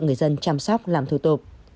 người dân chăm sóc làm thu tục